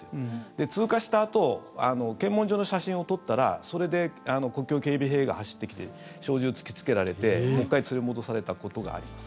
で、通過したあと検問所の写真を撮ったらそれで国境警備兵が走ってきて小銃を突きつけられてもう１回連れ戻されたことがあります。